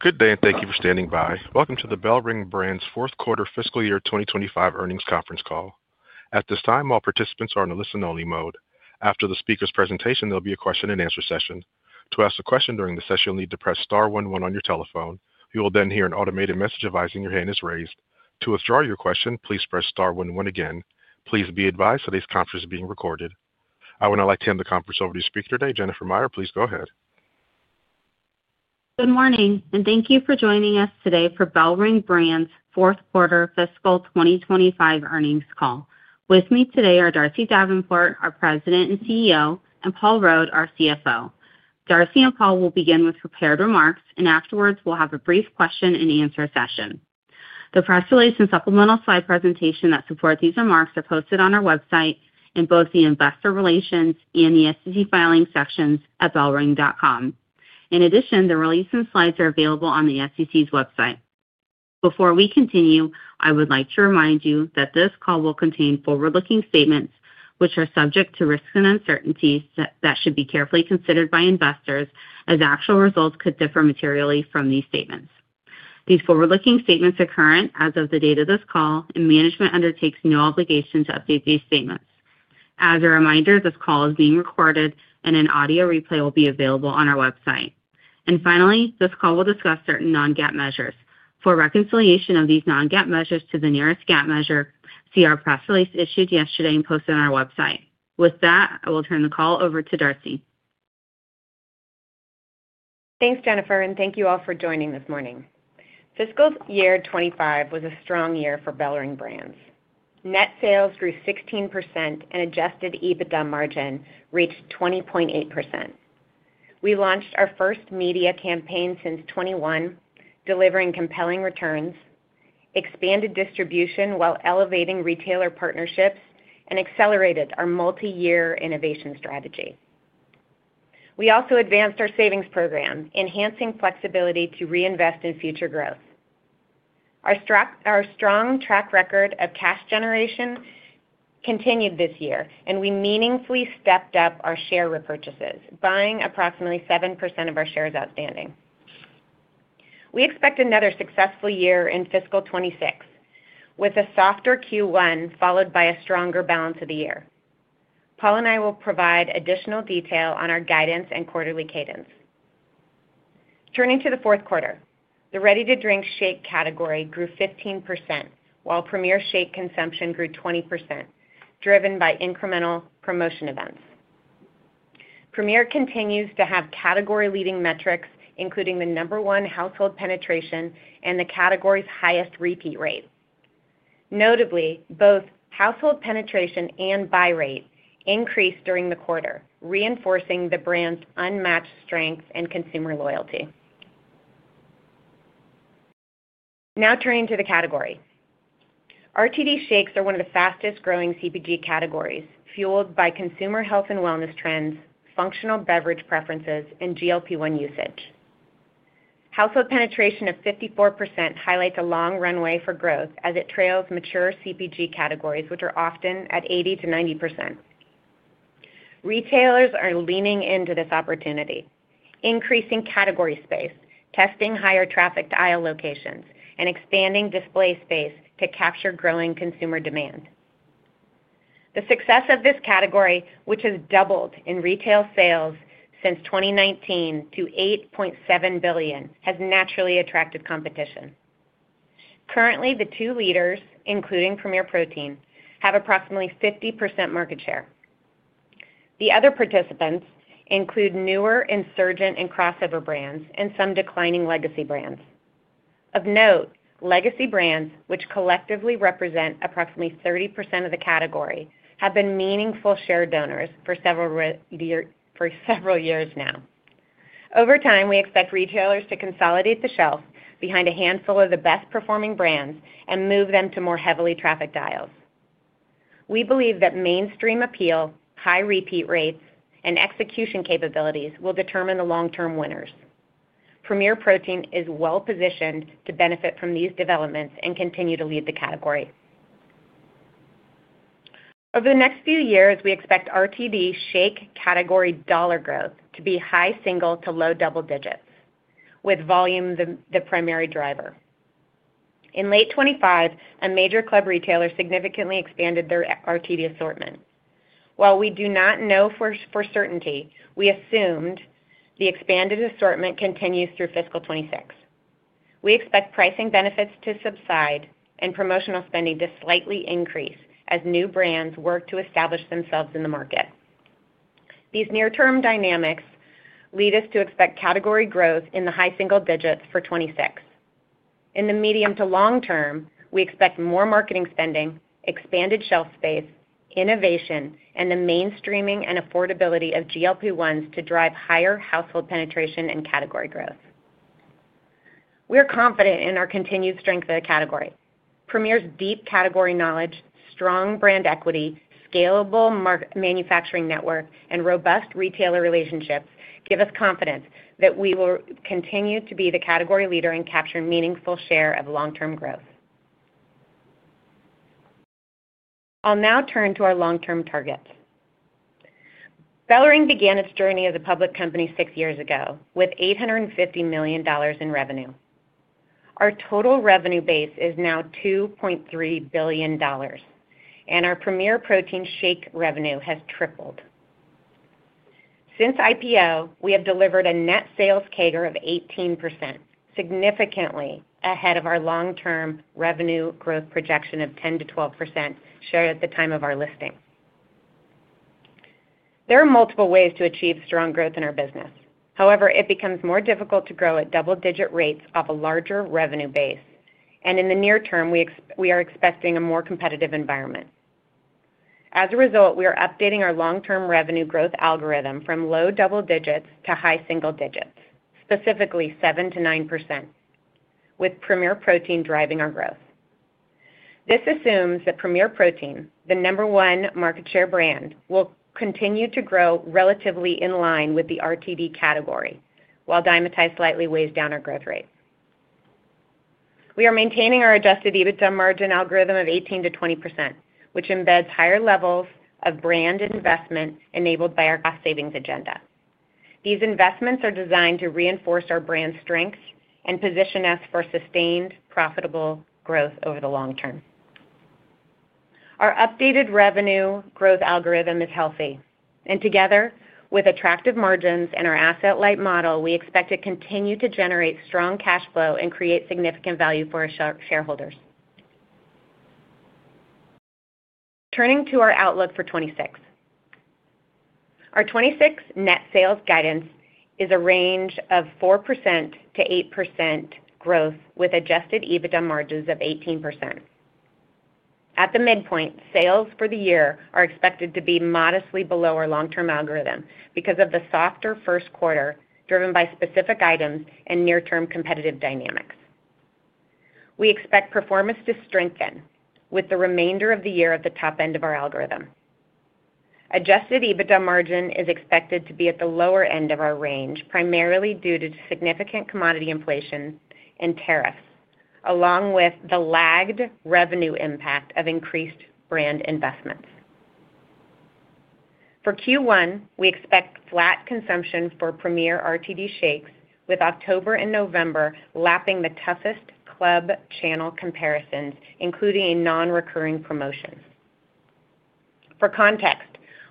Good day, and thank you for standing by. Welcome to the BellRing Brands fourth quarter fiscal year 2025 earnings conference call. At this time, all participants are in a listen-only mode. After the speaker's presentation, there'll be a question-and-answer session. To ask a question during the session, you'll need to press star one one on your telephone. You will then hear an automated message advising your hand is raised. To withdraw your question, please press star one one again. Please be advised today's conference is being recorded. I would now like to hand the conference over to your speaker today, Jennifer Meyer. Please go ahead. Good morning, and thank you for joining us today for BellRing Brands fourth quarter fiscal 2025 earnings call. With me today are Darcy Davenport, our President and CEO, and Paul Rode, our CFO. Darcy and Paul will begin with prepared remarks, and afterwards, we'll have a brief question-and-answer session. The press release and supplemental slide presentation that supports these remarks are posted on our website in both the investor relations and the SEC filing sections at bellring.com. In addition, the release and slides are available on the SEC's website. Before we continue, I would like to remind you that this call will contain forward-looking statements, which are subject to risks and uncertainties that should be carefully considered by investors, as actual results could differ materially from these statements. These forward-looking statements are current as of the date of this call, and management undertakes no obligation to update these statements. As a reminder, this call is being recorded, and an audio replay will be available on our website. This call will discuss certain non-GAAP measures. For reconciliation of these non-GAAP measures to the nearest GAAP measure, see our press release issued yesterday and posted on our website. With that, I will turn the call over to Darcy. Thanks, Jennifer, and thank you all for joining this morning. Fiscal year 2025 was a strong year for BellRing Brands. Net sales grew 16%, and adjusted EBITDA margin reached 20.8%. We launched our first media campaign since 2021, delivering compelling returns, expanded distribution while elevating retailer partnerships, and accelerated our multi-year innovation strategy. We also advanced our savings program, enhancing flexibility to reinvest in future growth. Our strong track record of cash generation continued this year, and we meaningfully stepped up our share repurchases, buying approximately 7% of our shares outstanding. We expect another successful year in fiscal 2026, with a softer Q1 followed by a stronger balance of the year. Paul and I will provide additional detail on our guidance and quarterly cadence. Turning to the fourth quarter, the ready-to-drink shake category grew 15%, while Premier shake consumption grew 20%, driven by incremental promotion events. Premier continues to have category-leading metrics, including the number one household penetration and the category's highest repeat rate. Notably, both household penetration and buy rate increased during the quarter, reinforcing the brand's unmatched strength and consumer loyalty. Now turning to the category, RTD shakes are one of the fastest-growing CPG categories, fueled by consumer health and wellness trends, functional beverage preferences, and GLP-1 usage. Household penetration of 54% highlights a long runway for growth as it trails mature CPG categories, which are often at 80%-90%. Retailers are leaning into this opportunity, increasing category space, testing higher traffic to aisle locations, and expanding display space to capture growing consumer demand. The success of this category, which has doubled in retail sales since 2019 to $8.7 billion, has naturally attracted competition. Currently, the two leaders, including Premier Protein, have approximately 50% market share. The other participants include newer insurgent and crossover brands and some declining legacy brands. Of note, legacy brands, which collectively represent approximately 30% of the category, have been meaningful share donors for several years now. Over time, we expect retailers to consolidate the shelf behind a handful of the best-performing brands and move them to more heavily trafficked aisles. We believe that mainstream appeal, high repeat rates, and execution capabilities will determine the long-term winners. Premier Protein is well-positioned to benefit from these developments and continue to lead the category. Over the next few years, we expect RTD shake category dollar growth to be high single to low double digits, with volume the primary driver. In late 2025, a major club retailer significantly expanded their RTD assortment. While we do not know for certainty, we assumed the expanded assortment continues through fiscal 2026. We expect pricing benefits to subside and promotional spending to slightly increase as new brands work to establish themselves in the market. These near-term dynamics lead us to expect category growth in the high single digits for 2026. In the medium to long term, we expect more marketing spending, expanded shelf space, innovation, and the mainstreaming and affordability of GLP-1s to drive higher household penetration and category growth. We are confident in our continued strength of the category. Premier's deep category knowledge, strong brand equity, scalable manufacturing network, and robust retailer relationships give us confidence that we will continue to be the category leader in capturing meaningful share of long-term growth. I'll now turn to our long-term targets. BellRing began its journey as a public company six years ago with $850 million in revenue. Our total revenue base is now $2.3 billion, and our Premier Protein shake revenue has tripled. Since IPO, we have delivered a net sales CAGR of 18%, significantly ahead of our long-term revenue growth projection of 10%-12% shared at the time of our listing. There are multiple ways to achieve strong growth in our business. However, it becomes more difficult to grow at double-digit rates off a larger revenue base, and in the near term, we are expecting a more competitive environment. As a result, we are updating our long-term revenue growth algorithm from low double digits to high single digits, specifically 7%-9%, with Premier Protein driving our growth. This assumes that Premier Protein, the number one market share brand, will continue to grow relatively in line with the RTD category, while Dymatize slightly weighs down our growth rate. We are maintaining our adjusted EBITDA margin algorithm of 18%-20%, which embeds higher levels of brand investment enabled by our cost savings agenda. These investments are designed to reinforce our brand strengths and position us for sustained profitable growth over the long term. Our updated revenue growth algorithm is healthy, and together with attractive margins and our asset-light model, we expect to continue to generate strong cash flow and create significant value for our shareholders. Turning to our outlook for 2026, our 2026 net sales guidance is a range of 4%-8% growth with adjusted EBITDA margins of 18%. At the midpoint, sales for the year are expected to be modestly below our long-term algorithm because of the softer first quarter driven by specific items and near-term competitive dynamics. We expect performance to strengthen with the remainder of the year at the top end of our algorithm. Adjusted EBITDA margin is expected to be at the lower end of our range, primarily due to significant commodity inflation and tariffs, along with the lagged revenue impact of increased brand investments. For Q1, we expect flat consumption for Premier RTD shakes, with October and November lapping the toughest club channel comparisons, including non-recurring promotions. For context,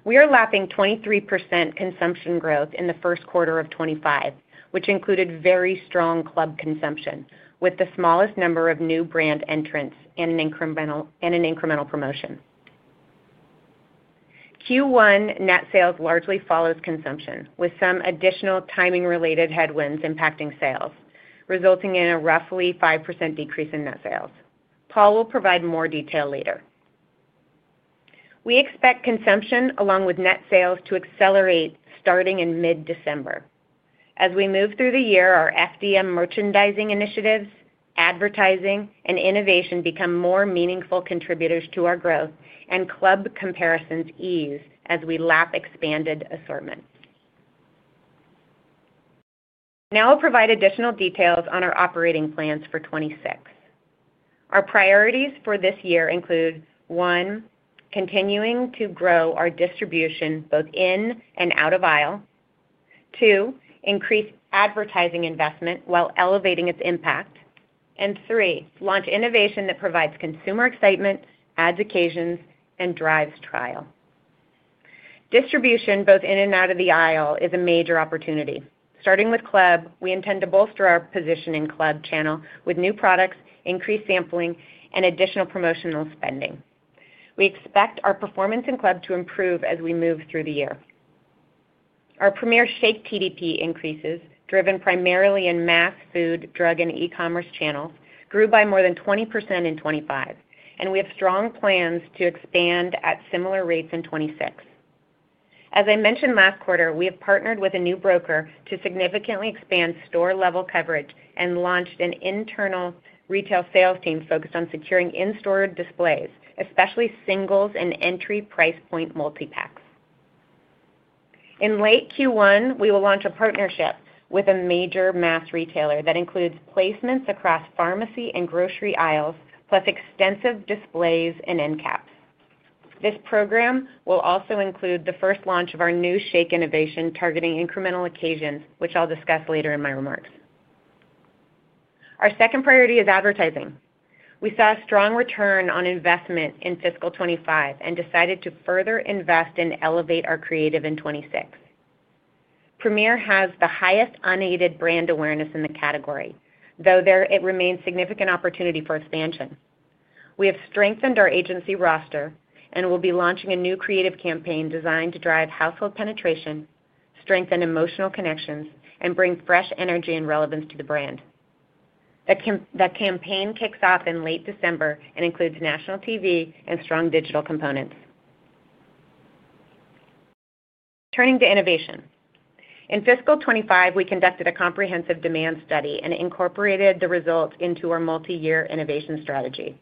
we are lapping 23% consumption growth in the first quarter of 2025, which included very strong club consumption, with the smallest number of new brand entrants and an incremental promotion. Q1 net sales largely follows consumption, with some additional timing-related headwinds impacting sales, resulting in a roughly 5% decrease in net sales. Paul will provide more detail later. We expect consumption, along with net sales, to accelerate starting in mid-December. As we move through the year, our FDM merchandising initiatives, advertising, and innovation become more meaningful contributors to our growth, and club comparisons ease as we lap expanded assortments. Now I'll provide additional details on our operating plans for 2026. Our priorities for this year include: one, continuing to grow our distribution both in and out of aisle; two, increase advertising investment while elevating its impact; and three, launch innovation that provides consumer excitement, adds occasions, and drives trial. Distribution both in and out of the aisle is a major opportunity. Starting with club, we intend to bolster our position in club channel with new products, increased sampling, and additional promotional spending. We expect our performance in club to improve as we move through the year. Our Premier shake TDP increases, driven primarily in mass food, drug, and e-commerce channels, grew by more than 20% in 2025, and we have strong plans to expand at similar rates in 2026. As I mentioned last quarter, we have partnered with a new broker to significantly expand store-level coverage and launched an internal retail sales team focused on securing in-store displays, especially singles and entry price point multi-packs. In late Q1, we will launch a partnership with a major mass retailer that includes placements across pharmacy and grocery aisles, plus extensive displays and end caps. This program will also include the first launch of our new shake innovation targeting incremental occasions, which I'll discuss later in my remarks. Our second priority is advertising. We saw a strong return on investment in fiscal 2025 and decided to further invest and elevate our creative in 2026. Premier has the highest unaided brand awareness in the category, though there remains significant opportunity for expansion. We have strengthened our agency roster and will be launching a new creative campaign designed to drive household penetration, strengthen emotional connections, and bring fresh energy and relevance to the brand. The campaign kicks off in late December and includes national TV and strong digital components. Turning to innovation. In fiscal 2025, we conducted a comprehensive demand study and incorporated the results into our multi-year innovation strategy.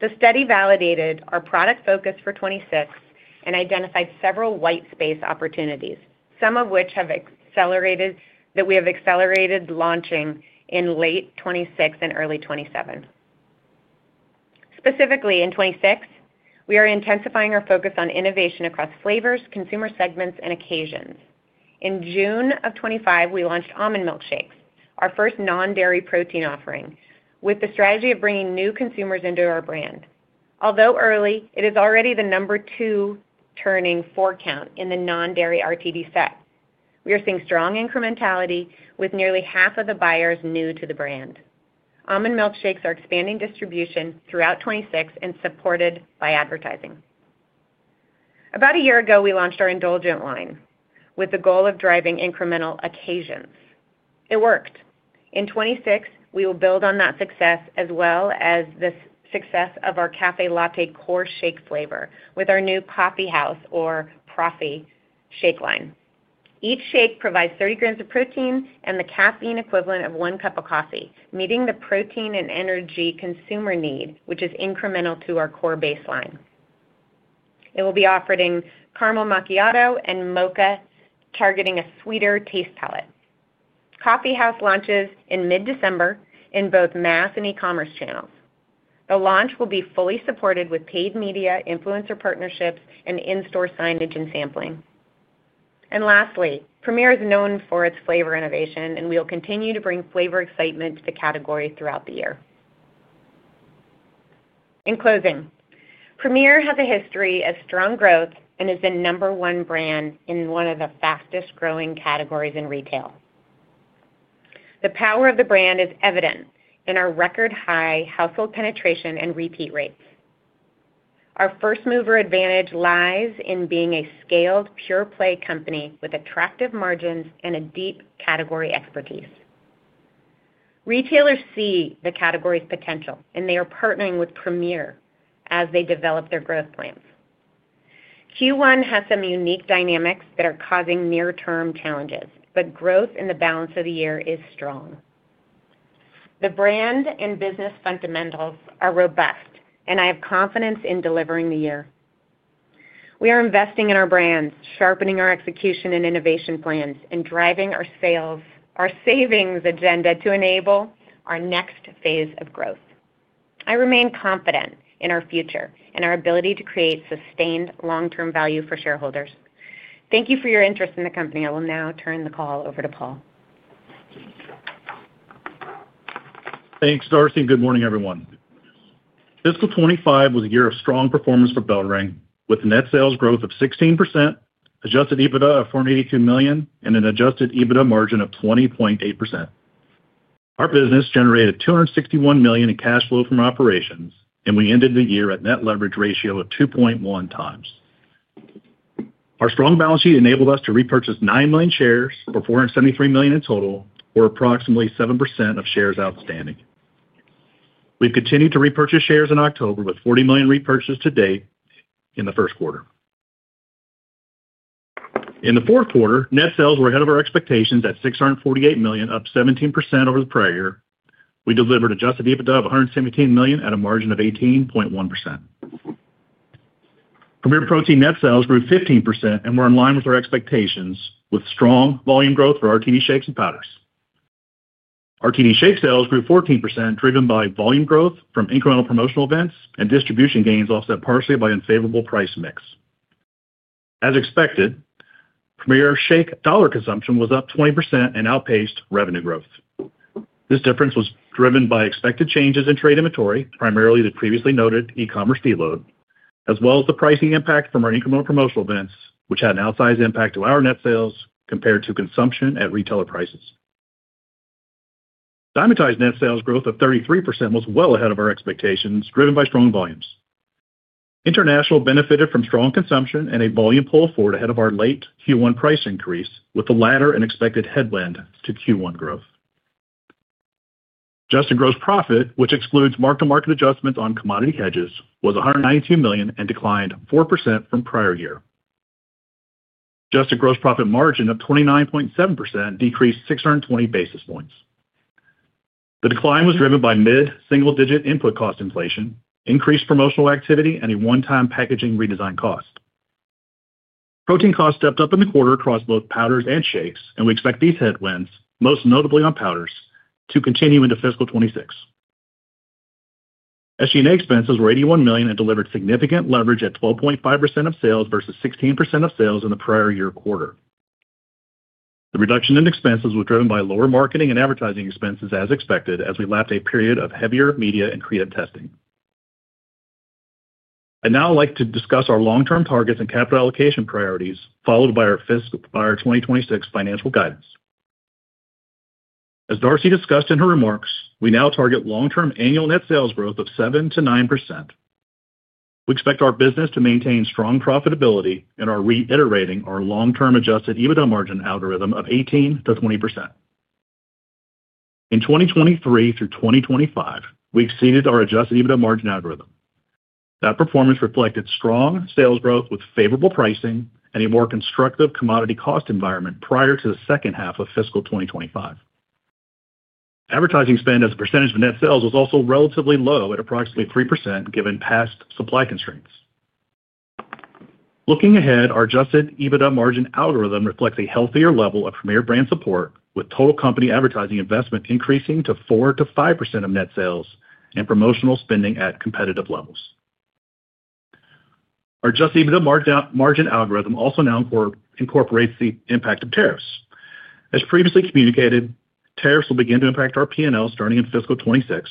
The study validated our product focus for 2026 and identified several white space opportunities, some of which have accelerated that we have accelerated launching in late 2026 and early 2027. Specifically, in 2026, we are intensifying our focus on innovation across flavors, consumer segments, and occasions. In June of 2025, we launched almond milk shakes, our first non-dairy protein offering, with the strategy of bringing new consumers into our brand. Although early, it is already the number two turning forecount in the non-dairy RTD set. We are seeing strong incrementality, with nearly half of the buyers new to the brand. Almond milk shakes are expanding distribution throughout 2026 and supported by advertising. About a year ago, we launched our indulgent line with the goal of driving incremental occasions. It worked. In 2026, we will build on that success as well as the success of our café latte core shake flavor with our new coffee house, or profi, shake line. Each shake provides 30 grams of protein and the caffeine equivalent of one cup of coffee, meeting the protein and energy consumer need, which is incremental to our core baseline. It will be offered in caramel macchiato and mocha, targeting a sweeter taste palate. Coffee house launches in mid-December in both mass and e-commerce channels. The launch will be fully supported with paid media, influencer partnerships, and in-store signage and sampling. Lastly, Premier is known for its flavor innovation, and we will continue to bring flavor excitement to the category throughout the year. In closing, Premier has a history of strong growth and is the number one brand in one of the fastest-growing categories in retail. The power of the brand is evident in our record-high household penetration and repeat rates. Our first-mover advantage lies in being a scaled pure-play company with attractive margins and deep category expertise. Retailers see the category's potential, and they are partnering with Premier as they develop their growth plans. Q1 has some unique dynamics that are causing near-term challenges, but growth in the balance of the year is strong. The brand and business fundamentals are robust, and I have confidence in delivering the year. We are investing in our brands, sharpening our execution and innovation plans, and driving our savings agenda to enable our next phase of growth. I remain confident in our future and our ability to create sustained long-term value for shareholders. Thank you for your interest in the company. I will now turn the call over to Paul. Thanks, Darcy, and good morning, everyone. Fiscal 2025 was a year of strong performance for BellRing, with net sales growth of 16%, adjusted EBITDA of $482 million, and an adjusted EBITDA margin of 20.8%. Our business generated $261 million in cash flow from operations, and we ended the year at net leverage ratio of 2.1 times. Our strong balance sheet enabled us to repurchase 9 million shares for $473 million in total, or approximately 7% of shares outstanding. We've continued to repurchase shares in October with 4 million repurchases to date in the first quarter. In the fourth quarter, net sales were ahead of our expectations at $648 million, up 17% over the prior year. We delivered adjusted EBITDA of $117 million at a margin of 18.1%. Premier Protein net sales grew 15% and were in line with our expectations, with strong volume growth for RTD shakes and powders. RTD shake sales grew 14%, driven by volume growth from incremental promotional events and distribution gains offset partially by unfavorable price mix. As expected, Premier shake dollar consumption was up 20% and outpaced revenue growth. This difference was driven by expected changes in trade inventory, primarily the previously noted e-commerce deload, as well as the pricing impact from our incremental promotional events, which had an outsized impact on our net sales compared to consumption at retailer prices. Dymatize's net sales growth of 33% was well ahead of our expectations, driven by strong volumes. International benefited from strong consumption and a volume pull forward ahead of our late Q1 price increase, with the latter an expected headwind to Q1 growth. Adjusted Gross Profit, which excludes mark-to-market adjustments on commodity hedges, was $192 million and declined 4% from prior year. Adjusted Gross Profit margin of 29.7% decreased 620 basis points. The decline was driven by mid-single-digit input cost inflation, increased promotional activity, and a one-time packaging redesign cost. Protein costs stepped up in the quarter across both powders and shakes, and we expect these headwinds, most notably on powders, to continue into fiscal 2026. SG&A expenses were $81 million and delivered significant leverage at 12.5% of sales versus 16% of sales in the prior year quarter. The reduction in expenses was driven by lower marketing and advertising expenses, as expected, as we lapped a period of heavier media and creative testing. I'd now like to discuss our long-term targets and capital allocation priorities, followed by our fiscal 2026 financial guidance. As Darcy discussed in her remarks, we now target long-term annual net sales growth of 7%-9%. We expect our business to maintain strong profitability and are reiterating our long-term adjusted EBITDA margin algorithm of 18%-20%. In 2023 through 2025, we exceeded our adjusted EBITDA margin algorithm. That performance reflected strong sales growth with favorable pricing and a more constructive commodity cost environment prior to the second half of fiscal 2025. Advertising spend as a percentage of net sales was also relatively low at approximately 3%, given past supply constraints. Looking ahead, our adjusted EBITDA margin algorithm reflects a healthier level of Premier brand support, with total company advertising investment increasing to 4%-5% of net sales and promotional spending at competitive levels. Our adjusted EBITDA margin algorithm also now incorporates the impact of tariffs. As previously communicated, tariffs will begin to impact our P&L starting in fiscal 2026.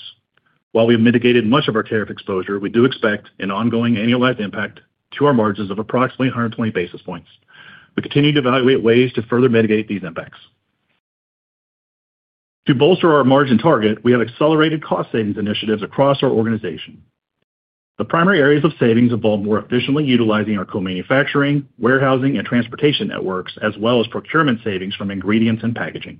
While we have mitigated much of our tariff exposure, we do expect an ongoing annualized impact to our margins of approximately 120 basis points. We continue to evaluate ways to further mitigate these impacts. To bolster our margin target, we have accelerated cost savings initiatives across our organization. The primary areas of savings involve more efficiently utilizing our co-manufacturing, warehousing, and transportation networks, as well as procurement savings from ingredients and packaging.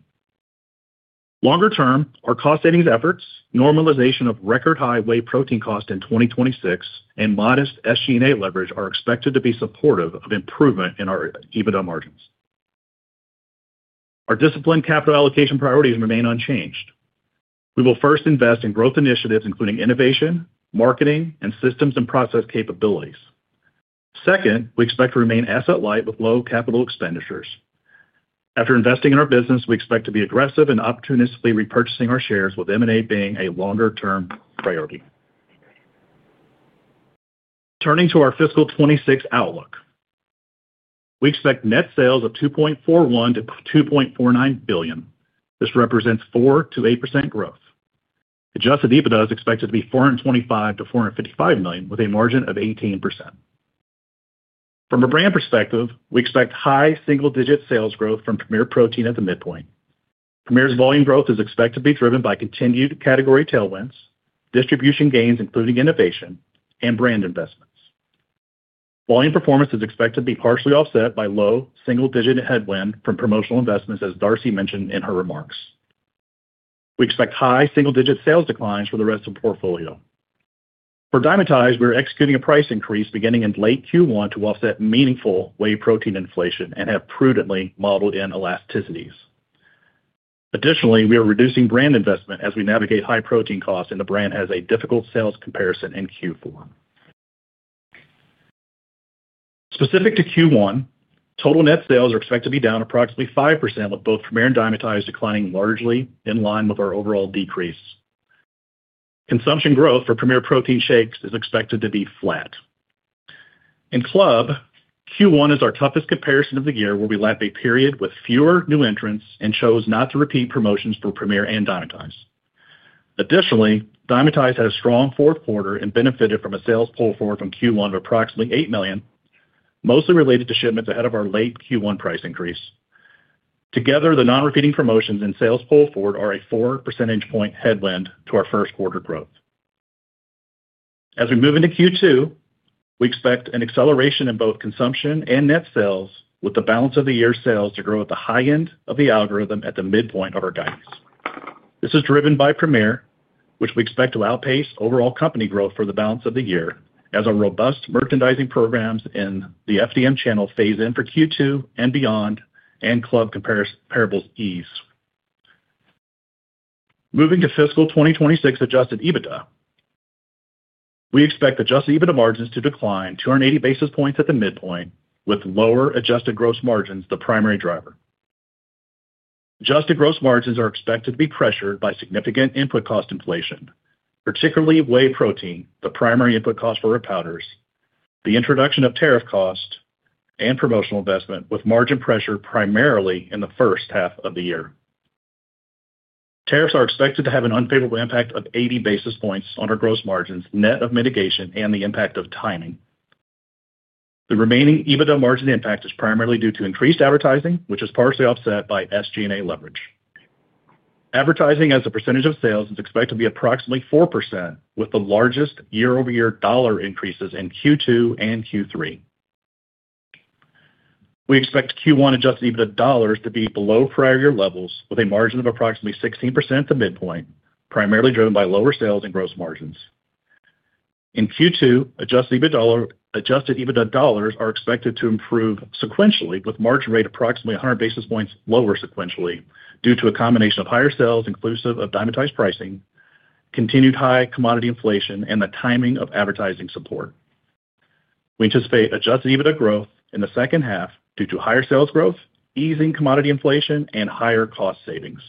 Longer term, our cost savings efforts, normalization of record-high whey protein cost in 2026, and modest SG&A leverage are expected to be supportive of improvement in our EBITDA margins. Our disciplined capital allocation priorities remain unchanged. We will first invest in growth initiatives, including innovation, marketing, and systems and process capabilities. Second, we expect to remain asset-light with low capital expenditures. After investing in our business, we expect to be aggressive and opportunistically repurchasing our shares, with M&A being a longer-term priority. Turning to our fiscal 2026 outlook, we expect net sales of $2.41-$2.49 billion. This represents 4%-8% growth. Adjusted EBITDA is expected to be $425 million-$455 million, with a margin of 18%. From a brand perspective, we expect high single-digit sales growth from Premier Protein at the midpoint. Premier's volume growth is expected to be driven by continued category tailwinds, distribution gains, including innovation, and brand investments. Volume performance is expected to be partially offset by low single-digit headwind from promotional investments, as Darcy mentioned in her remarks. We expect high single-digit sales declines for the rest of the portfolio. For Dymatize, we are executing a price increase beginning in late Q1 to offset meaningful whey protein inflation and have prudently modeled in elasticities. Additionally, we are reducing brand investment as we navigate high protein costs, and the brand has a difficult sales comparison in Q4. Specific to Q1, total net sales are expected to be down approximately 5%, with both Premier and Dymatize declining largely in line with our overall decrease. Consumption growth for Premier Protein shakes is expected to be flat. In club, Q1 is our toughest comparison of the year, where we lapped a period with fewer new entrants and chose not to repeat promotions for Premier and Dymatize. Additionally, Dymatize had a strong fourth quarter and benefited from a sales pull forward from Q1 of approximately $8 million, mostly related to shipments ahead of our late Q1 price increase. Together, the non-repeating promotions and sales pull forward are a 4 percentage point headwind to our first quarter growth. As we move into Q2, we expect an acceleration in both consumption and net sales, with the balance of the year sales to grow at the high end of the algorithm at the midpoint of our guidance. This is driven by Premier, which we expect to outpace overall company growth for the balance of the year, as our robust merchandising programs in the FDM channel phase in for Q2 and beyond, and club comparables ease. Moving to fiscal 2026 adjusted EBITDA, we expect adjusted EBITDA margins to decline 280 basis points at the midpoint, with lower adjusted gross margins the primary driver. Adjusted gross margins are expected to be pressured by significant input cost inflation, particularly whey protein, the primary input cost for our powders, the introduction of tariff cost, and promotional investment, with margin pressure primarily in the first half of the year. Tariffs are expected to have an unfavorable impact of 80 basis points on our gross margins, net of mitigation and the impact of timing. The remaining EBITDA margin impact is primarily due to increased advertising, which is partially offset by SG&A leverage. Advertising as a percentage of sales is expected to be approximately 4%, with the largest year-over-year dollar increases in Q2 and Q3. We expect Q1 adjusted EBITDA dollars to be below prior year levels, with a margin of approximately 16% at the midpoint, primarily driven by lower sales and gross margins. In Q2, adjusted EBITDA dollars are expected to improve sequentially, with margin rate approximately 100 basis points lower sequentially due to a combination of higher sales inclusive of Dymatize pricing, continued high commodity inflation, and the timing of advertising support. We anticipate adjusted EBITDA growth in the second half due to higher sales growth, easing commodity inflation, and higher cost savings.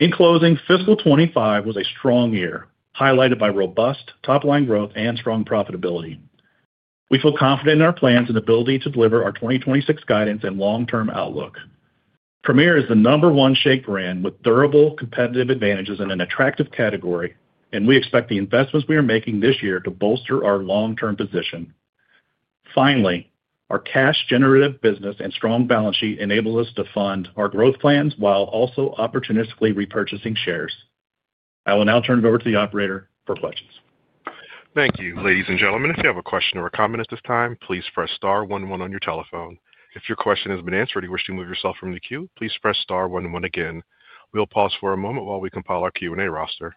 In closing, fiscal 2025 was a strong year, highlighted by robust top-line growth and strong profitability. We feel confident in our plans and ability to deliver our 2026 guidance and long-term outlook. Premier is the number one shake brand with durable competitive advantages and an attractive category, and we expect the investments we are making this year to bolster our long-term position. Finally, our cash-generative business and strong balance sheet enable us to fund our growth plans while also opportunistically repurchasing shares. I will now turn it over to the operator for questions. Thank you, ladies and gentlemen. If you have a question or a comment at this time, please press star one one on your telephone. If your question has been answered or you wish to move yourself from the queue, please press star one one again. We'll pause for a moment while we compile our Q&A roster.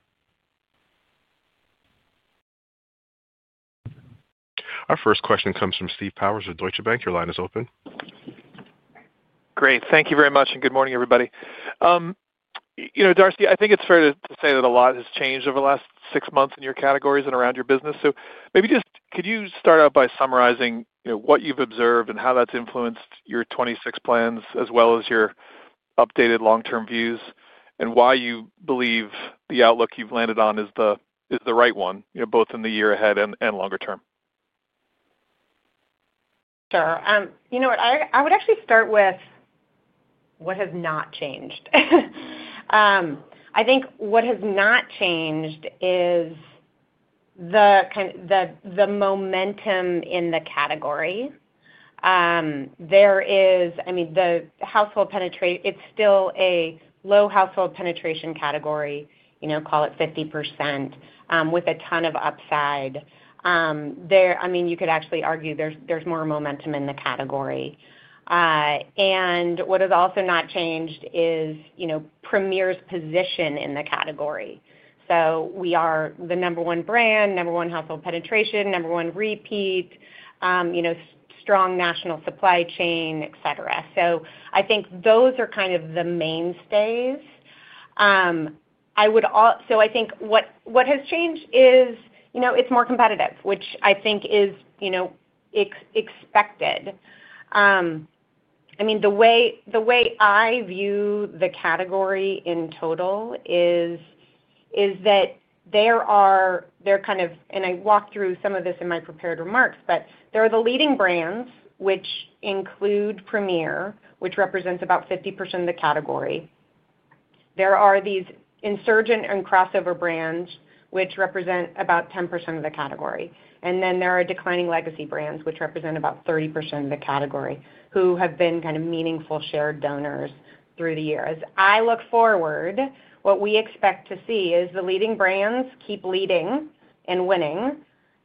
Our first question comes from Steve Powers of Deutsche Bank. Your line is open. Great. Thank you very much, and good morning, everybody. Darcy, I think it's fair to say that a lot has changed over the last six months in your categories and around your business. Maybe just could you start out by summarizing what you've observed and how that's influenced your 2026 plans as well as your updated long-term views, and why you believe the outlook you've landed on is the right one, both in the year ahead and longer term? Sure. You know what? I would actually start with what has not changed. I think what has not changed is the momentum in the category. I mean, the household penetration, it's still a low household penetration category, call it 50%, with a ton of upside. I mean, you could actually argue there's more momentum in the category. What has also not changed is Premier's position in the category. We are the number one brand, number one household penetration, number one repeat, strong national supply chain, etc. I think those are kind of the mainstays. I think what has changed is it's more competitive, which I think is expected. I mean, the way I view the category in total is that they're kind of, and I walked through some of this in my prepared remarks, but there are the leading brands, which include Premier, which represents about 50% of the category. There are these insurgent and crossover brands, which represent about 10% of the category. There are declining legacy brands, which represent about 30% of the category, who have been kind of meaningful share donors through the years. I look forward. What we expect to see is the leading brands keep leading and winning.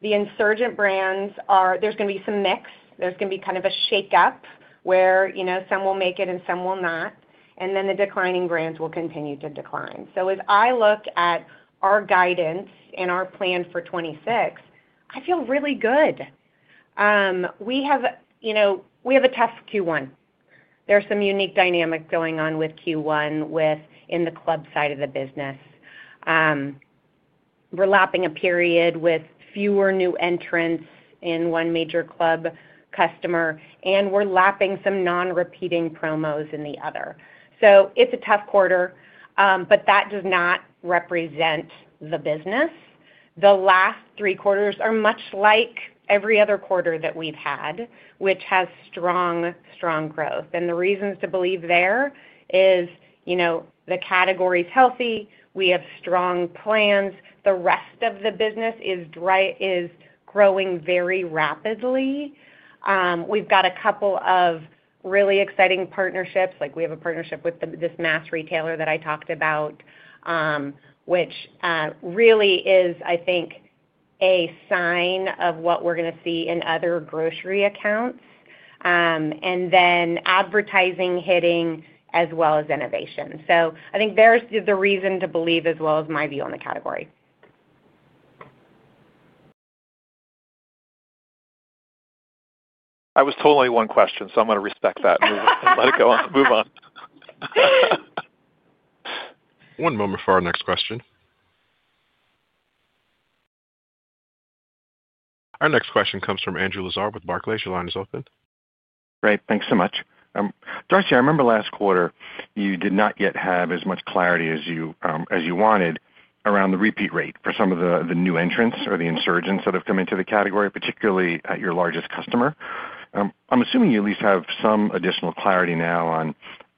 The insurgent brands are, there's going to be some mix. There's going to be kind of a shake-up where some will make it and some will not. The declining brands will continue to decline. As I look at our guidance and our plan for 2026, I feel really good. We have a tough Q1. There are some unique dynamics going on with Q1 within the club side of the business. We are lapping a period with fewer new entrants in one major club customer, and we are lapping some non-repeating promos in the other. It is a tough quarter, but that does not represent the business. The last three quarters are much like every other quarter that we've had, which has strong, strong growth. The reasons to believe there is the category's healthy. We have strong plans. The rest of the business is growing very rapidly. We've got a couple of really exciting partnerships. We have a partnership with this mass retailer that I talked about, which really is, I think, a sign of what we're going to see in other grocery accounts, and then advertising hitting as well as innovation. I think there's the reason to believe as well as my view on the category. I was totally one question, so I'm going to respect that and let it go on, move on. One moment for our next question. Our next question comes from Andrew Lazar with Barclays. Your line is open. Great. Thanks so much. Dorothy, I remember last quarter you did not yet have as much clarity as you wanted around the repeat rate for some of the new entrants or the insurgents that have come into the category, particularly at your largest customer. I'm assuming you at least have some additional clarity now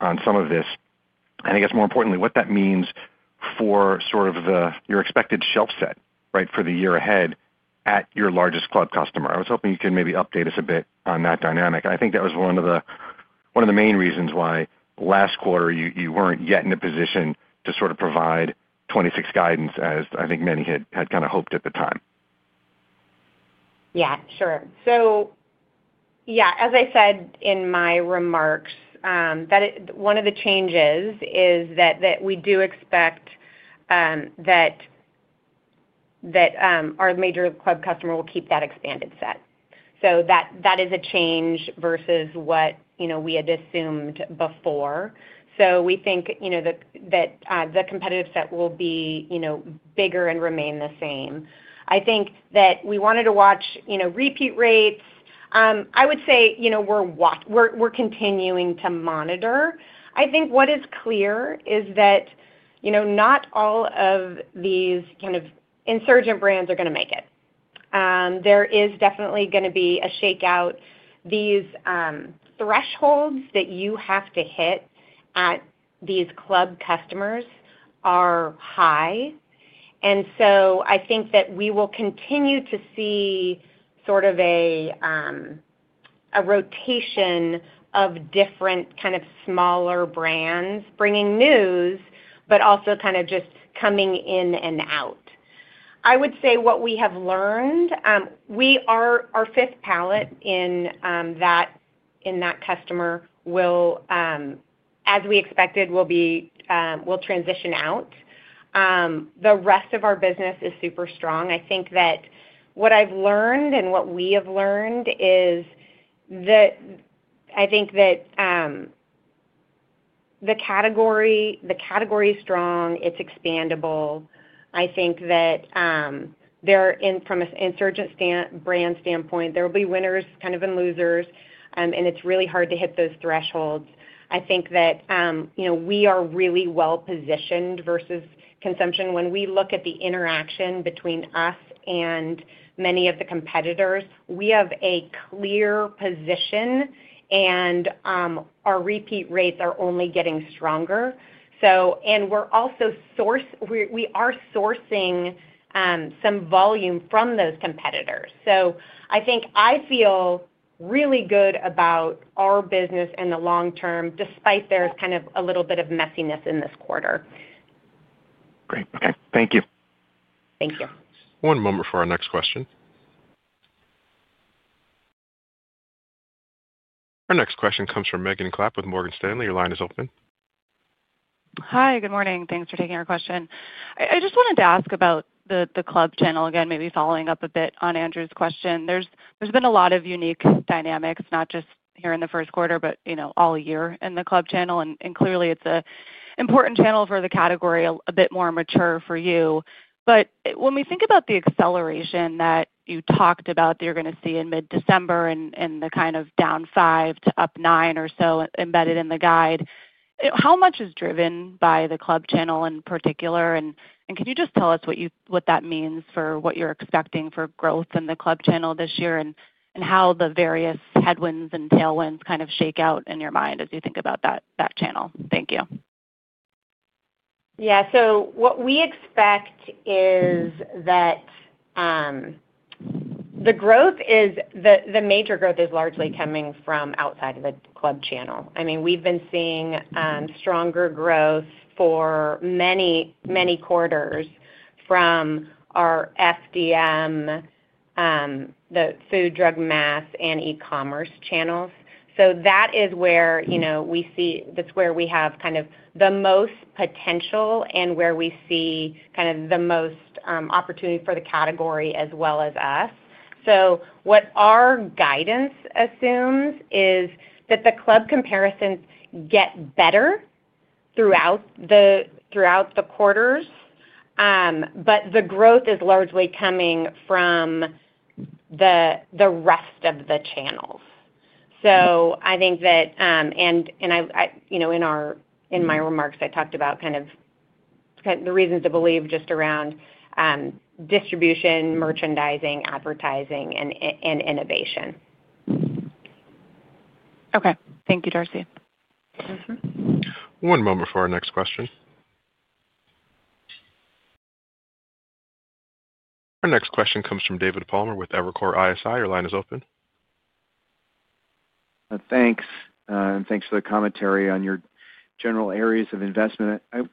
on some of this. I guess more importantly, what that means for sort of your expected shelf set, right, for the year ahead at your largest club customer. I was hoping you could maybe update us a bit on that dynamic. I think that was one of the main reasons why last quarter you were not yet in a position to sort of provide 2026 guidance as I think many had kind of hoped at the time. Yeah, sure. Yeah, as I said in my remarks, one of the changes is that we do expect that our major club customer will keep that expanded set. That is a change versus what we had assumed before. We think that the competitive set will be bigger and remain the same. I think that we wanted to watch repeat rates. I would say we're continuing to monitor. I think what is clear is that not all of these kind of insurgent brands are going to make it. There is definitely going to be a shake-out. These thresholds that you have to hit at these club customers are high. I think that we will continue to see sort of a rotation of different kind of smaller brands bringing news, but also kind of just coming in and out. I would say what we have learned, our fifth pallet in that customer, as we expected, will transition out. The rest of our business is super strong. I think that what I've learned and what we have learned is that I think that the category is strong. It's expandable. I think that from an insurgent brand standpoint, there will be winners kind of and losers, and it's really hard to hit those thresholds. I think that we are really well positioned versus consumption. When we look at the interaction between us and many of the competitors, we have a clear position, and our repeat rates are only getting stronger. We're also sourcing some volume from those competitors. I think I feel really good about our business in the long term, despite there's kind of a little bit of messiness in this quarter. Great. Okay. Thank you. Thank you. One moment for our next question. Our next question comes from Megan Klap with Morgan Stanley. Your line is open. Hi. Good morning. Thanks for taking our question. I just wanted to ask about the club channel again, maybe following up a bit on Andrew's question. There has been a lot of unique dynamics, not just here in the first quarter, but all year in the club channel. Clearly, it is an important channel for the category, a bit more mature for you. When we think about the acceleration that you talked about that you are going to see in mid-December and the kind of down 5% to up 9% or so embedded in the guide, how much is driven by the club channel in particular? Can you just tell us what that means for what you're expecting for growth in the club channel this year and how the various headwinds and tailwinds kind of shake out in your mind as you think about that channel? Thank you. Yeah. What we expect is that the growth, the major growth, is largely coming from outside of the club channel. I mean, we've been seeing stronger growth for many, many quarters from our FDM, the food, drug, mass, and e-commerce channels. That is where we see, that's where we have kind of the most potential and where we see kind of the most opportunity for the category as well as us. What our guidance assumes is that the club comparisons get better throughout the quarters, but the growth is largely coming from the rest of the channels. I think that, and in my remarks, I talked about kind of the reasons to believe just around distribution, merchandising, advertising, and innovation. Okay. Thank you, Darcy. One moment for our next question. Our next question comes from David Palmer with Evercore ISI. Your line is open. Thanks. And thanks for the commentary on your general areas of investment. A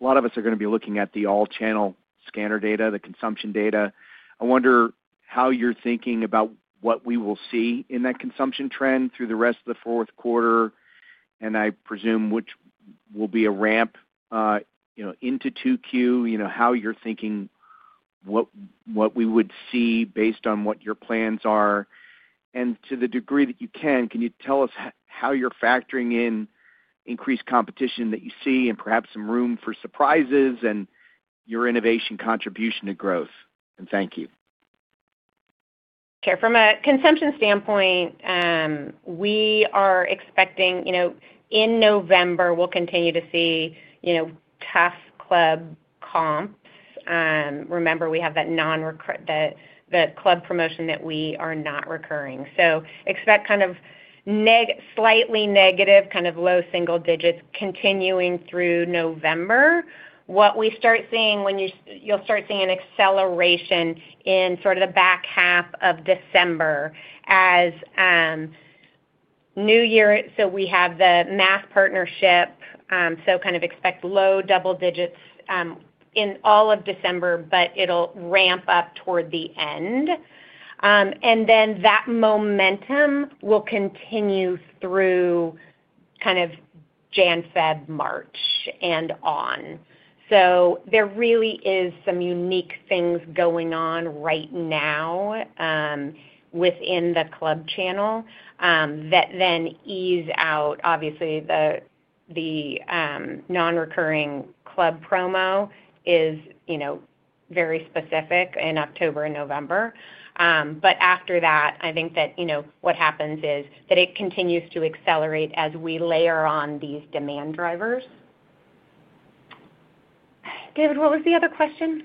lot of us are going to be looking at the all-channel scanner data, the consumption data. I wonder how you're thinking about what we will see in that consumption trend through the rest of the fourth quarter, and I presume which will be a ramp into Q2, how you're thinking what we would see based on what your plans are. To the degree that you can, can you tell us how you're factoring in increased competition that you see and perhaps some room for surprises and your innovation contribution to growth? Thank you. Sure. From a consumption standpoint, we are expecting in November, we'll continue to see tough club comps. Remember, we have that club promotion that we are not recurring. Expect kind of slightly negative, kind of low single digits continuing through November. What we start seeing, you'll start seeing an acceleration in sort of the back half of December as New Year. We have the mass partnership, so kind of expect low double digits in all of December, but it'll ramp up toward the end. That momentum will continue through kind of January-February, March, and on. There really is some unique things going on right now within the club channel that then ease out. Obviously, the non-recurring club promo is very specific in October and November. After that, I think that what happens is that it continues to accelerate as we layer on these demand drivers. David, what was the other question?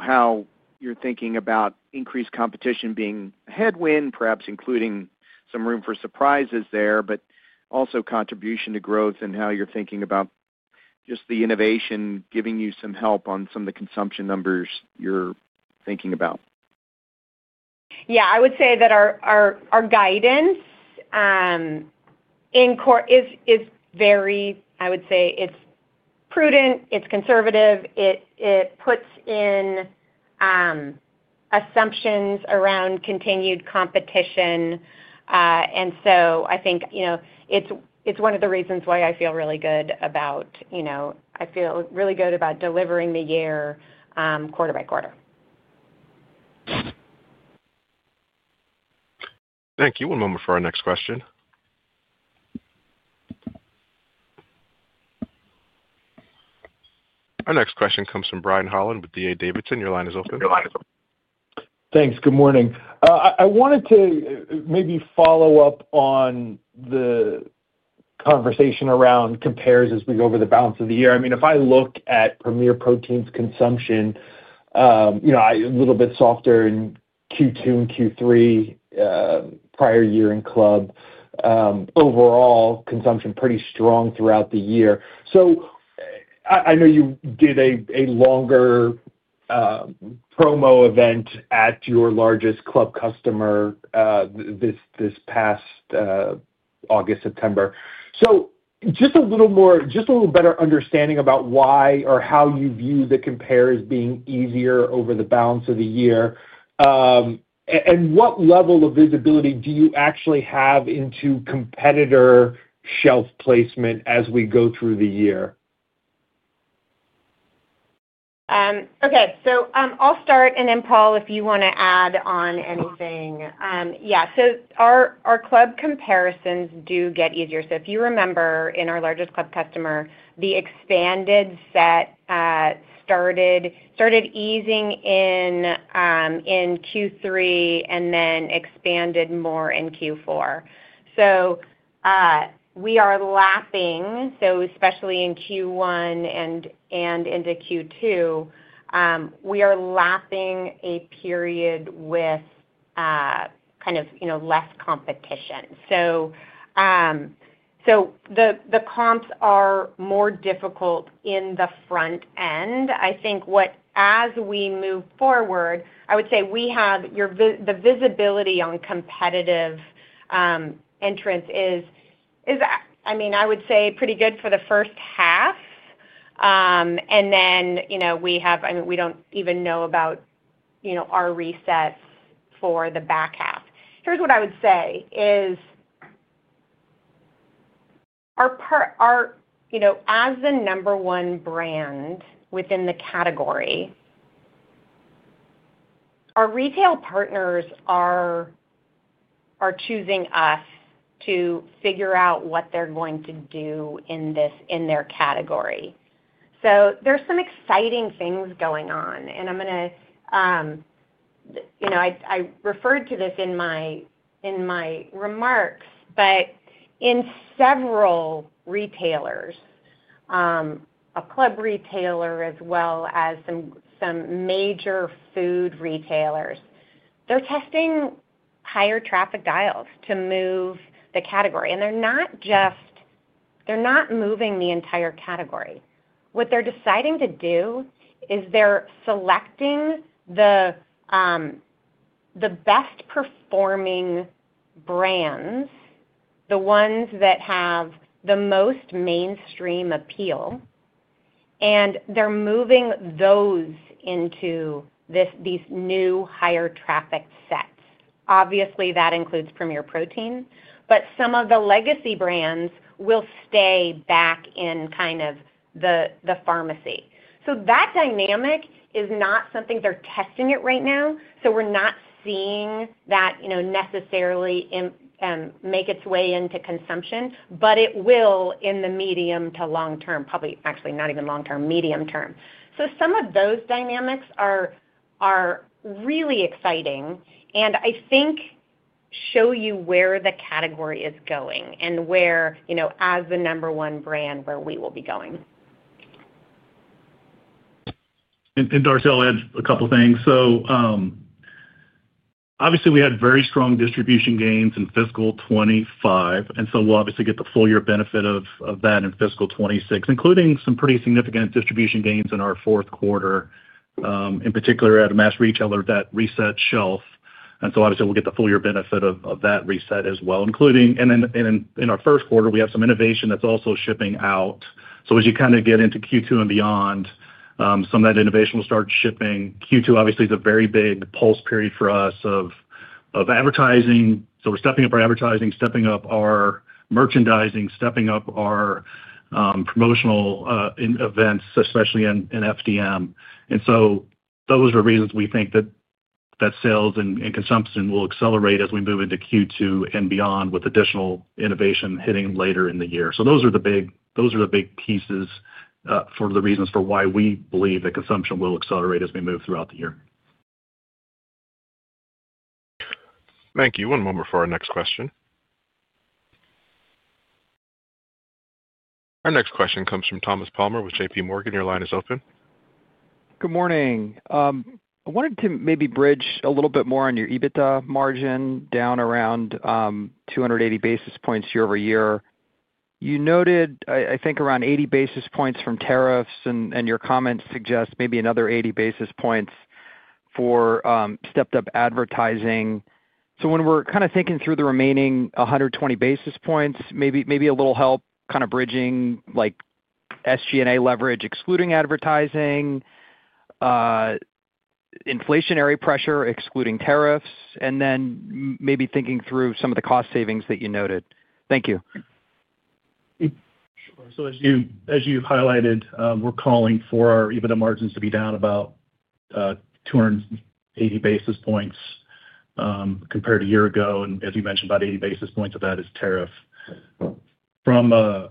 How you're thinking about increased competition being a headwind, perhaps including some room for surprises there, but also contribution to growth and how you're thinking about just the innovation giving you some help on some of the consumption numbers you're thinking about. Yeah. I would say that our guidance is very, I would say it's prudent, it's conservative, it puts in assumptions around continued competition. I think it's one of the reasons why I feel really good about delivering the year quarter by quarter. Thank you. One moment for our next question. Our next question comes from Brian Holland with D.A. Davidson. Your line is open. Thanks. Good morning. I wanted to maybe follow up on the conversation around compares as we go over the balance of the year. I mean, if I look at Premier Protein's consumption, a little bit softer in Q2 and Q3, prior year in club, overall consumption pretty strong throughout the year. I know you did a longer promo event at your largest club customer this past August, September. Just a little more, just a little better understanding about why or how you view the compares being easier over the balance of the year. What level of visibility do you actually have into competitor shelf placement as we go through the year? Okay. I'll start, and then Paul, if you want to add on anything. Yeah. Our club comparisons do get easier. If you remember, in our largest club customer, the expanded set started easing in Q3 and then expanded more in Q4. We are lapping, so especially in Q1 and into Q2, we are lapping a period with kind of less competition. The comps are more difficult in the front end. I think as we move forward, I would say we have the visibility on competitive entrance is, I mean, I would say pretty good for the first half. We have, I mean, we do not even know about our reset for the back half. Here's what I would say is, as the number one brand within the category, our retail partners are choosing us to figure out what they're going to do in their category. There are some exciting things going on. I referred to this in my remarks, but in several retailers, a club retailer as well as some major food retailers, they're testing higher traffic dials to move the category. They're not moving the entire category. What they're deciding to do is they're selecting the best-performing brands, the ones that have the most mainstream appeal, and they're moving those into these new higher traffic sets. Obviously, that includes Premier Protein, but some of the legacy brands will stay back in kind of the pharmacy. That dynamic is not something they're testing right now. We're not seeing that necessarily make its way into consumption, but it will in the medium to long term, probably actually not even long term, medium term. Some of those dynamics are really exciting, and I think show you where the category is going and where, as the number one brand, where we will be going. Darcy, add a couple of things. Obviously, we had very strong distribution gains in fiscal 2025, and so we'll obviously get the full year benefit of that in fiscal 2026, including some pretty significant distribution gains in our fourth quarter, in particular at a mass retailer that reset shelf. We'll get the full year benefit of that reset as well, including. In our first quarter, we have some innovation that's also shipping out. As you kind of get into Q2 and beyond, some of that innovation will start shipping. Q2, obviously, is a very big pulse period for us of advertising. We are stepping up our advertising, stepping up our merchandising, stepping up our promotional events, especially in FDM. Those are reasons we think that sales and consumption will accelerate as we move into Q2 and beyond with additional innovation hitting later in the year. Those are the big pieces for the reasons for why we believe that consumption will accelerate as we move throughout the year. Thank you. One moment for our next question. Our next question comes from Thomas Palmer with JPMorgan. Your line is open. Good morning. I wanted to maybe bridge a little bit more on your EBITDA margin down around 280 basis points year over year. You noted, I think, around 80 basis points from tariffs, and your comments suggest maybe another 80 basis points for stepped-up advertising. When we're kind of thinking through the remaining 120 basis points, maybe a little help kind of bridging SG&A leverage excluding advertising, inflationary pressure excluding tariffs, and then maybe thinking through some of the cost savings that you noted. Thank you. As you've highlighted, we're calling for our EBITDA margins to be down about 280 basis points compared to a year ago. As you mentioned, about 80 basis points of that is tariff. From a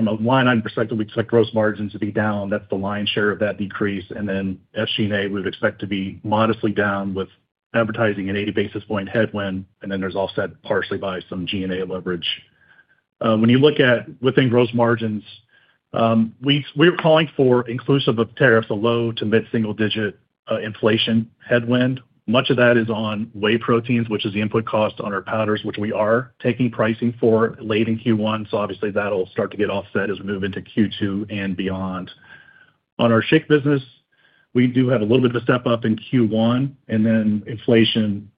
line item perspective, we expect gross margins to be down. That's the lion's share of that decrease. SG&A, we would expect to be modestly down with advertising an 80-basis-point headwind, and then there's offset partially by some G&A leverage. When you look at within gross margins, we were calling for inclusive of tariffs, a low to mid-single-digit inflation headwind. Much of that is on whey proteins, which is the input cost on our powders, which we are taking pricing for late in Q1. Obviously, that'll start to get offset as we move into Q2 and beyond. On our shake business, we do have a little bit of a step up in Q1, and then inflation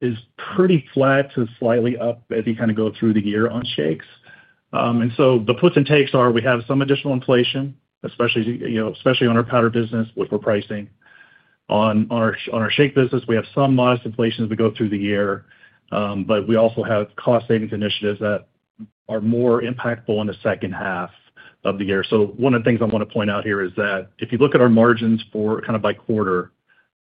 is pretty flat to slightly up as you kind of go through the year on shakes. The puts and takes are we have some additional inflation, especially on our powder business, which we're pricing. On our shake business, we have some modest inflation as we go through the year, but we also have cost-savings initiatives that are more impactful in the second half of the year. One of the things I want to point out here is that if you look at our margins kind of by quarter,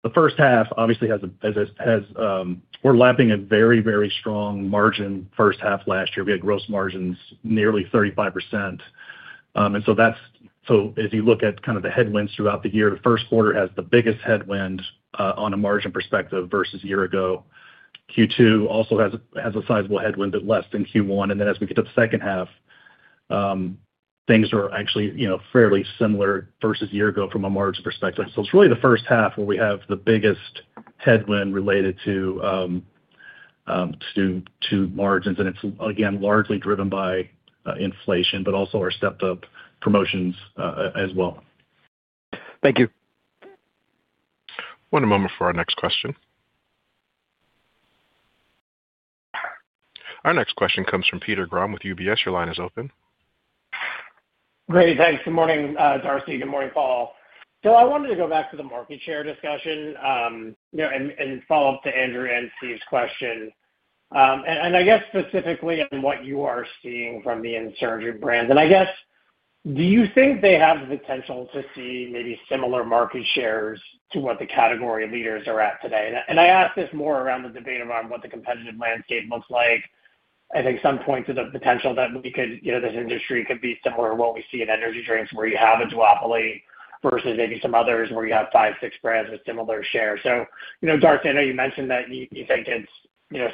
the first half obviously has a we're lapping a very, very strong margin first half last year. We had gross margins nearly 35%. As you look at kind of the headwinds throughout the year, the first quarter has the biggest headwind on a margin perspective versus a year ago. Q2 also has a sizable headwind, but less than Q1. As we get to the second half, things are actually fairly similar versus a year ago from a margin perspective. It is really the first half where we have the biggest headwind related to margins. It is, again, largely driven by inflation, but also our stepped-up promotions as well. Thank you. One moment for our next question. Our next question comes from Peter Grom with UBS. Your line is open. Great. Thanks. Good morning, Darcy. Good morning, Paul. I wanted to go back to the market share discussion and follow up to Andrew and Steve's question. I guess specifically on what you are seeing from the insurgent brands. I guess, do you think they have the potential to see maybe similar market shares to what the category leaders are at today? I ask this more around the debate around what the competitive landscape looks like. I think some point to the potential that this industry could be similar to what we see in energy drinks where you have a duopoly versus maybe some others where you have five, six brands with similar shares. Darcy, I know you mentioned that you think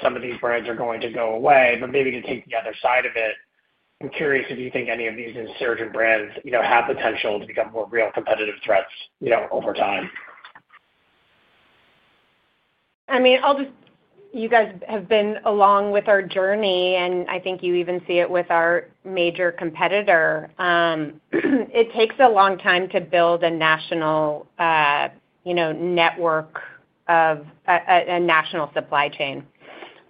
some of these brands are going to go away, but maybe to take the other side of it, I'm curious if you think any of these insurgent brands have potential to become more real competitive threats over time. I mean, you guys have been along with our journey, and I think you even see it with our major competitor. It takes a long time to build a national network of a national supply chain.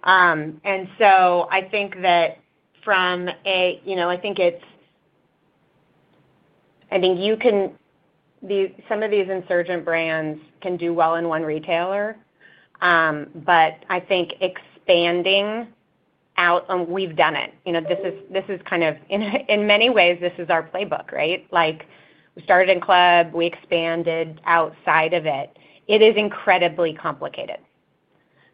I think that from a, I think you can, some of these insurgent brands can do well in one retailer, but I think expanding out, we've done it. This is kind of in many ways, this is our playbook, right? We started in club, we expanded outside of it. It is incredibly complicated.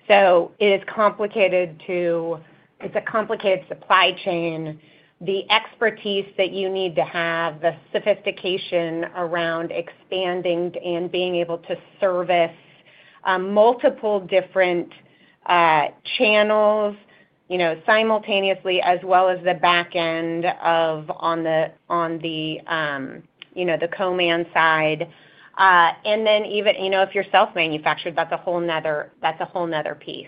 It is a complicated supply chain. The expertise that you need to have, the sophistication around expanding and being able to service multiple different channels simultaneously, as well as the back end on the co-man side. Even if you are self-manufactured, that is a whole nother piece.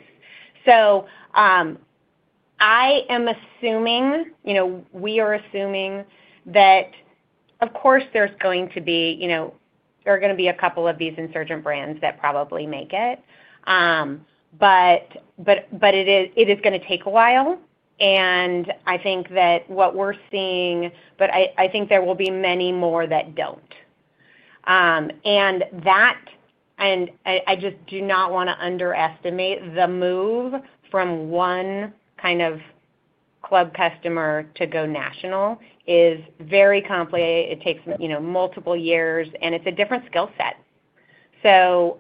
I am assuming, we are assuming, that of course there are going to be a couple of these insurgent brands that probably make it. It is going to take a while. I think that what we are seeing, there will be many more that do not. I just do not want to underestimate the move from one kind of club customer to go national. It is very complicated. It takes multiple years, and it is a different skill set. Yeah,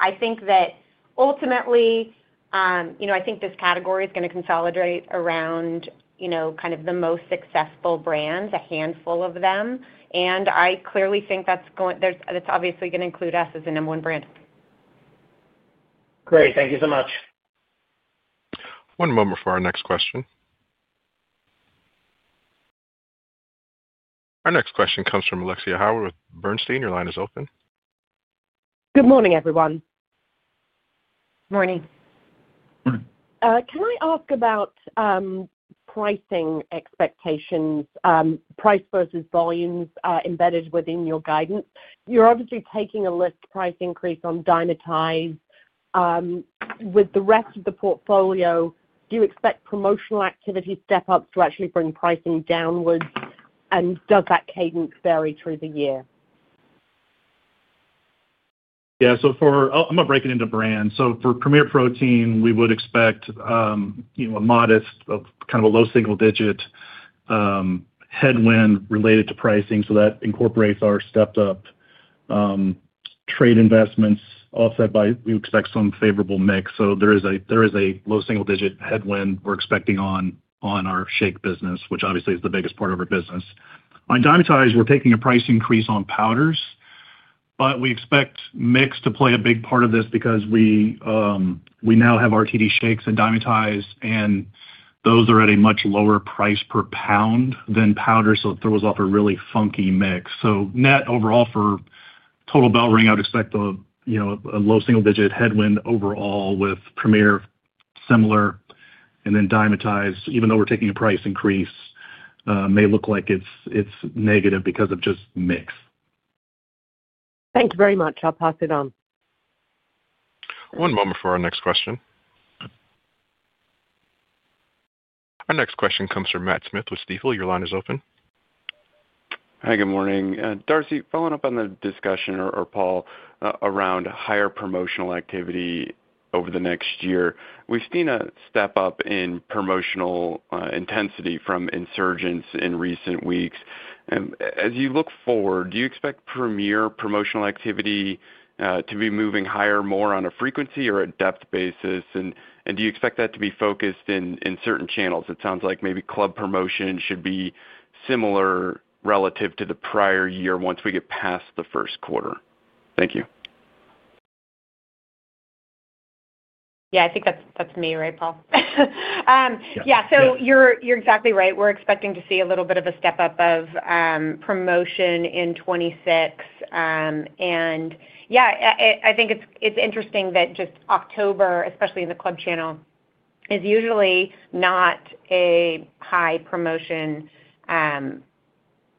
I think that ultimately, I think this category is going to consolidate around kind of the most successful brands, a handful of them. I clearly think that's going to, it's obviously going to include us as the number one brand. Great. Thank you so much. One moment for our next question. Our next question comes from Alexia Howard with Bernstein. Your line is open. Good morning, everyone. Morning. Morning. Can I ask about pricing expectations, price versus volumes embedded within your guidance? You're obviously taking a list price increase on Dymatize. With the rest of the portfolio, do you expect promotional activity step-ups to actually bring pricing downwards? And does that cadence vary through the year? Yeah. I'm going to break it into brands. For Premier Protein, we would expect a modest, kind of a low single-digit headwind related to pricing. That incorporates our stepped-up trade investments offset by we expect some favorable mix. There is a low single-digit headwind we're expecting on our shake business, which obviously is the biggest part of our business. On Dymatize, we're taking a price increase on powders, but we expect mix to play a big part of this because we now have RTD shakes in Dymatize, and those are at a much lower price per pound than powder, so it throws off a really funky mix. Net overall for total BellRing, I would expect a low single-digit headwind overall with Premier similar, and then Dymatize, even though we're taking a price increase, may look like it's negative because of just mix. Thank you very much. I'll pass it on. One moment for our next question. Our next question comes from Matt Smith with Steve. Your line is open. Hi, good morning. Darcy, following up on the discussion or Paul around higher promotional activity over the next year, we've seen a step-up in promotional intensity from insurgents in recent weeks. As you look forward, do you expect Premier promotional activity to be moving higher more on a frequency or a depth basis? Do you expect that to be focused in certain channels? It sounds like maybe club promotion should be similar relative to the prior year once we get past the first quarter. Thank you. Yeah, I think that's me, right, Paul? Yeah. You're exactly right. We're expecting to see a little bit of a step-up of promotion in 2026. I think it's interesting that just October, especially in the club channel, is usually not a high promotion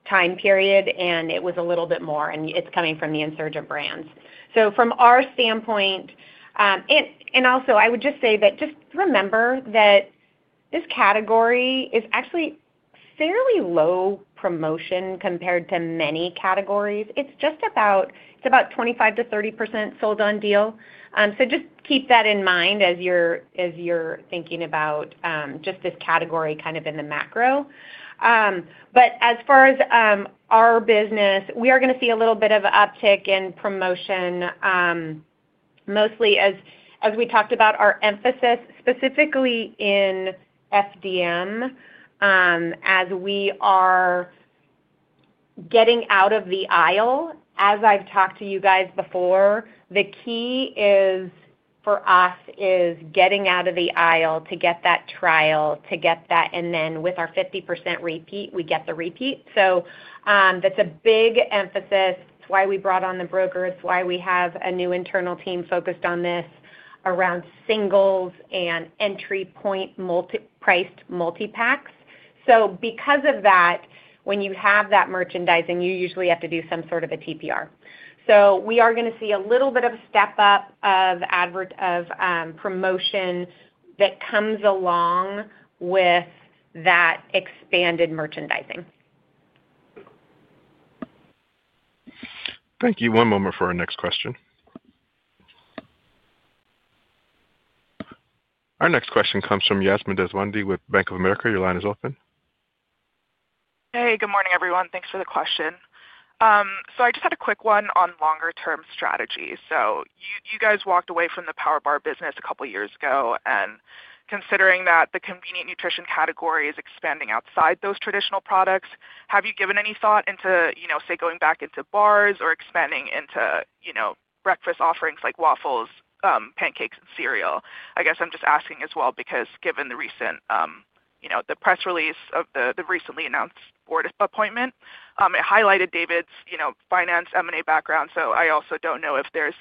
time period, and it was a little bit more, and it's coming from the insurgent brands. From our standpoint, and also, I would just say that just remember that this category is actually fairly low promotion compared to many categories. It is just about 25%-30% sold-on deal. Just keep that in mind as you are thinking about just this category kind of in the macro. As far as our business, we are going to see a little bit of an uptick in promotion, mostly as we talked about our emphasis specifically in FDM as we are getting out of the aisle. As I have talked to you guys before, the key for us is getting out of the aisle to get that trial, to get that, and then with our 50% repeat, we get the repeat. That is a big emphasis. It is why we brought on the broker. It's why we have a new internal team focused on this around singles and entry-point priced multi-packs. Because of that, when you have that merchandising, you usually have to do some sort of a TPR. We are going to see a little bit of a step-up of promotion that comes along with that expanded merchandising. Thank you. One moment for our next question. Our next question comes from Yasmine Deswandhy with Bank of America. Your line is open. Hey, good morning, everyone. Thanks for the question. I just had a quick one on longer-term strategy. You guys walked away from the PowerBar business a couple of years ago. Considering that the convenient nutrition category is expanding outside those traditional products, have you given any thought into, say, going back into bars or expanding into breakfast offerings like waffles, pancakes, and cereal? I guess I'm just asking as well because given the recent press release of the recently announced board appointment, it highlighted David's finance M&A background. I also don't know if there's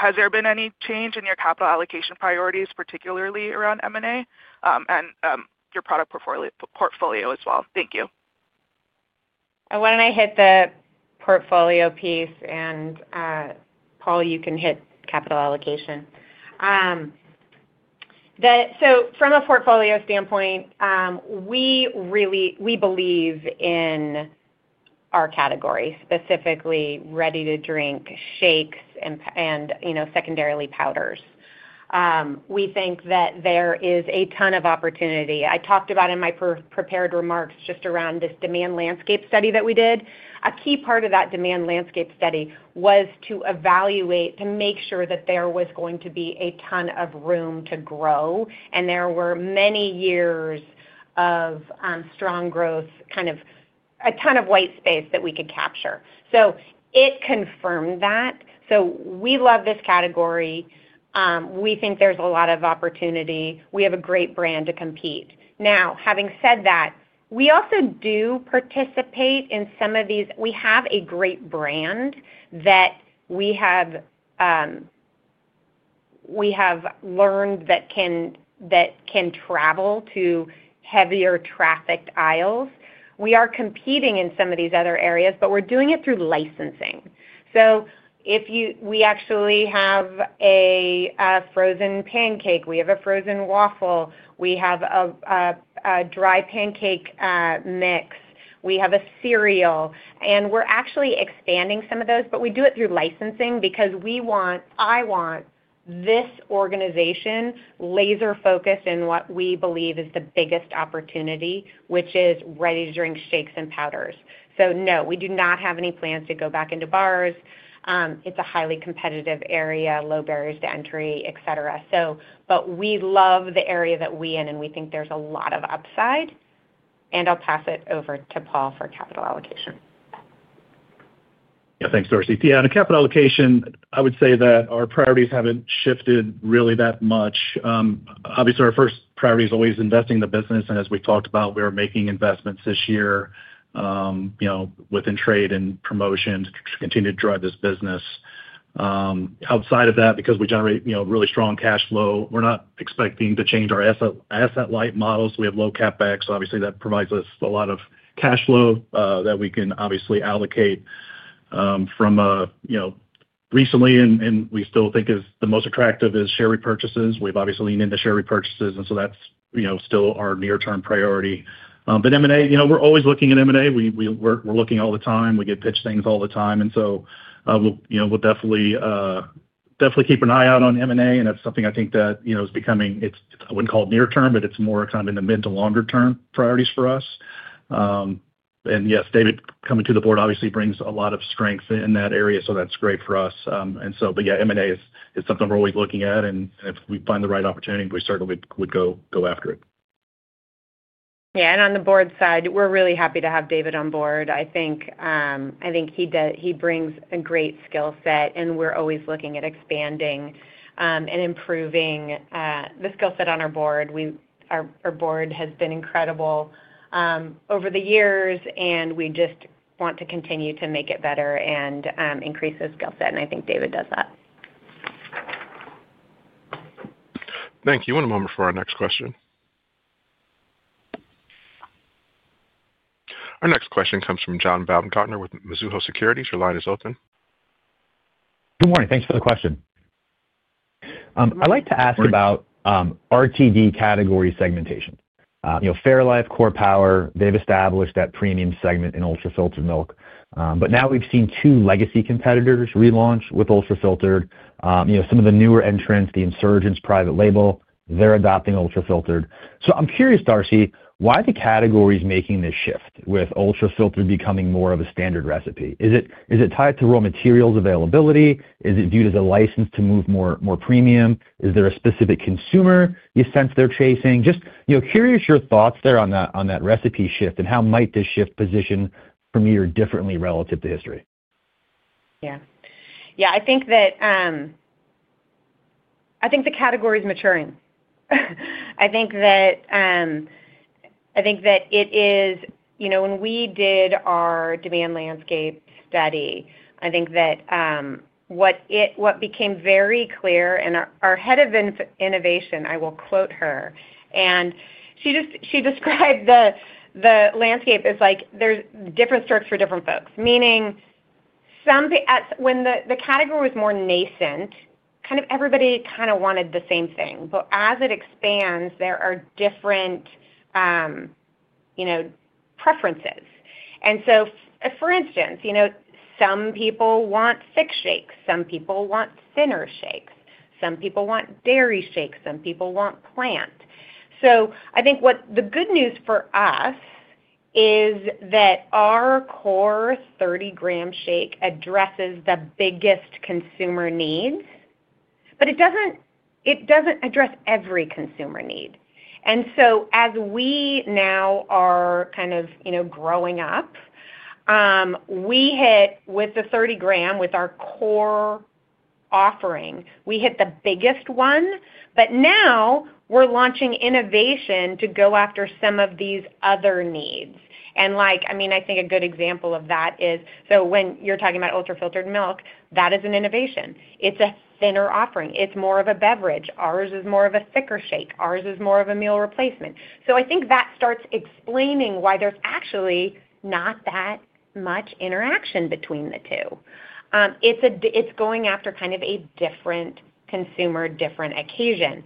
has there been any change in your capital allocation priorities, particularly around M&A and your product portfolio as well? Thank you. I want to hit the portfolio piece, and Paul, you can hit capital allocation. From a portfolio standpoint, we believe in our category, specifically ready-to-drink shakes and secondarily powders. We think that there is a ton of opportunity. I talked about in my prepared remarks just around this demand landscape study that we did. A key part of that demand landscape study was to evaluate, to make sure that there was going to be a ton of room to grow, and there were many years of strong growth, kind of a ton of white space that we could capture. It confirmed that. We love this category. We think there's a lot of opportunity. We have a great brand to compete. Now, having said that, we also do participate in some of these, we have a great brand that we have learned that can travel to heavier trafficked aisles. We are competing in some of these other areas, but we're doing it through licensing. We actually have a frozen pancake. We have a frozen waffle. We have a dry pancake mix. We have a cereal. We're actually expanding some of those, but we do it through licensing because I want this organization laser-focused in what we believe is the biggest opportunity, which is ready-to-drink shakes and powders. No, we do not have any plans to go back into bars. It's a highly competitive area, low barriers to entry, etc. We love the area that we're in, and we think there's a lot of upside. I'll pass it over to Paul for capital allocation. Yeah. Thanks, Darcy. Yeah. On capital allocation, I would say that our priorities haven't shifted really that much. Obviously, our first priority is always investing in the business. As we've talked about, we are making investments this year within trade and promotion to continue to drive this business. Outside of that, because we generate really strong cash flow, we're not expecting to change our asset light models. We have low CapEx. Obviously, that provides us a lot of cash flow that we can obviously allocate from recently, and we still think is the most attractive is share repurchases. We have obviously leaned into share repurchases, and that is still our near-term priority. M&A, we are always looking at M&A. We are looking all the time. We get pitched things all the time. We will definitely keep an eye out on M&A. That is something I think that is becoming, I would not call it near-term, but it is more kind of in the mid to longer-term priorities for us. Yes, David coming to the board obviously brings a lot of strength in that area, so that is great for us. M&A is something we are always looking at. If we find the right opportunity, we certainly would go after it. Yeah. On the board side, we're really happy to have David on board. I think he brings a great skill set, and we're always looking at expanding and improving the skill set on our board. Our board has been incredible over the years, and we just want to continue to make it better and increase the skill set. I think David does that. Thank you. One moment for our next question. Our next question comes from John Baumgartner with Mizuho Securities. Your line is open. Good morning. Thanks for the question. I'd like to ask about RTD category segmentation. Fairlife, Core Power, they've established that premium segment in ultra-filtered milk. Now we've seen two legacy competitors relaunch with ultra-filtered. Some of the newer entrants, the insurgents, private label, they're adopting ultra-filtered. I'm curious, Darcy, why the category is making this shift with ultra-filtered becoming more of a standard recipe? Is it tied to raw materials availability? Is it viewed as a license to move more premium? Is there a specific consumer you sense they're chasing? Just curious your thoughts there on that recipe shift and how might this shift position Premier differently relative to history. Yeah. Yeah. I think the category is maturing. I think that it is when we did our demand landscape study, I think that what became very clear, and our head of innovation, I will quote her, and she described the landscape as there's different strokes for different folks. Meaning, when the category was more nascent, kind of everybody kind of wanted the same thing. As it expands, there are different preferences. For instance, some people want thick shakes. Some people want thinner shakes. Some people want dairy shakes. Some people want plant. I think the good news for us is that our core 30-gram shake addresses the biggest consumer needs, but it does not address every consumer need. As we now are kind of growing up, we hit with the 30-gram with our core offering, we hit the biggest one. Now we are launching innovation to go after some of these other needs. I mean, I think a good example of that is, when you are talking about ultra-filtered milk, that is an innovation. It is a thinner offering. It is more of a beverage. Ours is more of a thicker shake. Ours is more of a meal replacement. I think that starts explaining why there is actually not that much interaction between the two. It is going after kind of a different consumer, different occasion.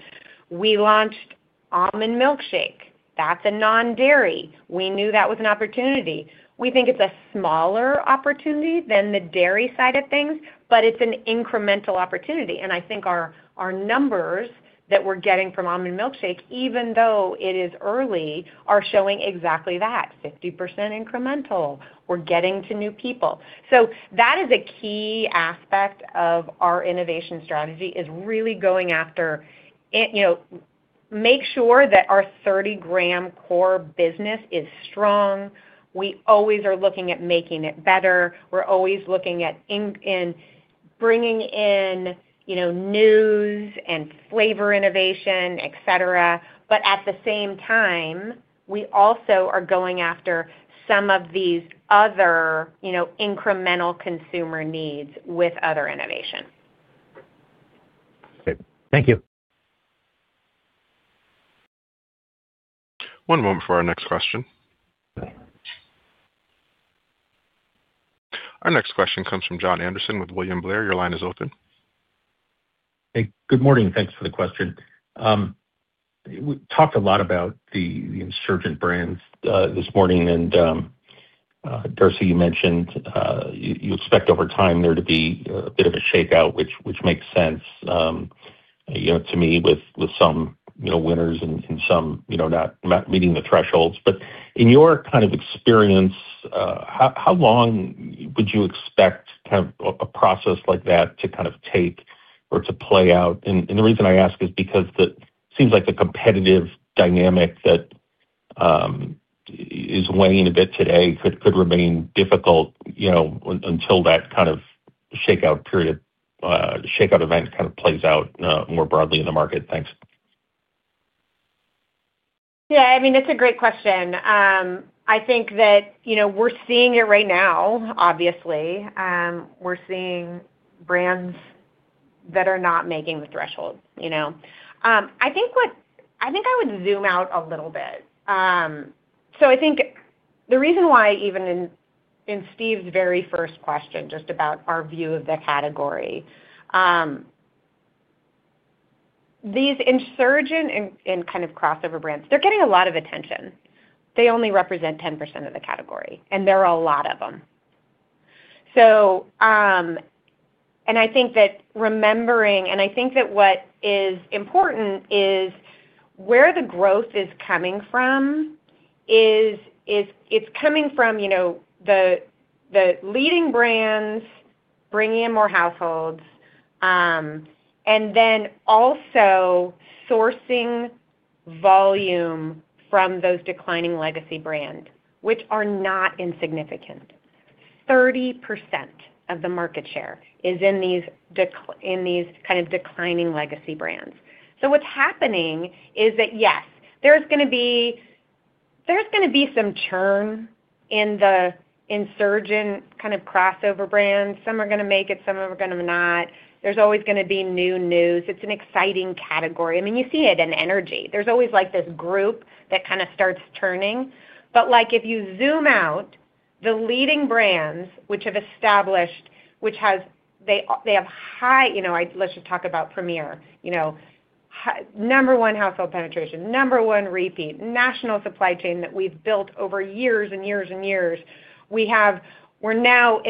We launched almond milkshake. That's a non-dairy. We knew that was an opportunity. We think it's a smaller opportunity than the dairy side of things, but it's an incremental opportunity. I think our numbers that we're getting from almond milkshake, even though it is early, are showing exactly that, 50% incremental. We're getting to new people. That is a key aspect of our innovation strategy is really going after make sure that our 30-gram core business is strong. We always are looking at making it better. We're always looking at bringing in news and flavor innovation, etc. At the same time, we also are going after some of these other incremental consumer needs with other innovation. Thank you. One moment for our next question. Our next question comes from Jon Andersen with William Blair. Your line is open. Hey, good morning. Thanks for the question. We talked a lot about the insurgent brands this morning. Darcy, you mentioned you expect over time there to be a bit of a shakeout, which makes sense to me with some winners and some not meeting the thresholds. In your kind of experience, how long would you expect kind of a process like that to take or to play out? The reason I ask is because it seems like the competitive dynamic that is weighing a bit today could remain difficult until that kind of shakeout event plays out more broadly in the market. Thanks. Yeah. I mean, that's a great question. I think that we're seeing it right now, obviously. We're seeing brands that are not making the threshold. I think I would zoom out a little bit. I think the reason why even in Steve's very first question just about our view of the category, these insurgent and kind of crossover brands, they're getting a lot of attention. They only represent 10% of the category, and there are a lot of them. I think that remembering, and I think that what is important is where the growth is coming from. It's coming from the leading brands bringing in more households and then also sourcing volume from those declining legacy brands, which are not insignificant. 30% of the market share is in these kind of declining legacy brands. What's happening is that, yes, there's going to be some churn in the insurgent kind of crossover brands. Some are going to make it. Some are going to not. There's always going to be new news. It's an exciting category. I mean, you see it in energy. is always this group that kind of starts churning. If you zoom out, the leading brands which have established, which have high—let's just talk about Premier—number one household penetration, number one repeat, national supply chain that we have built over years and years and years. We are now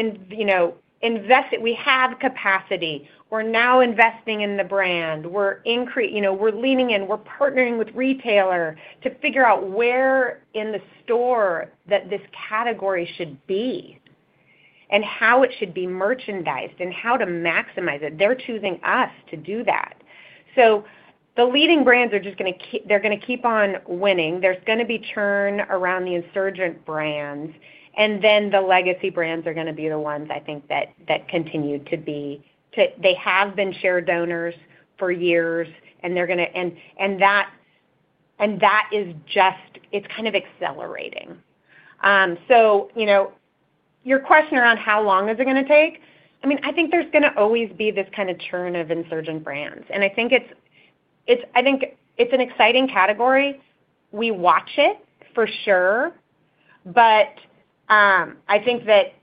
investing. We have capacity. We are now investing in the brand. We are leaning in. We are partnering with retailer to figure out where in the store that this category should be and how it should be merchandised and how to maximize it. They are choosing us to do that. The leading brands are just going to—they are going to keep on winning. There is going to be churn around the insurgent brands. The legacy brands are going to be the ones, I think, that continue to be—they have been share donors for years, and they are going to—and that is just—it is kind of accelerating. Your question around how long is it going to take? I mean, I think there's going to always be this kind of churn of insurgent brands. I think it's an exciting category. We watch it for sure. I think that